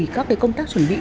các công tác chuẩn bị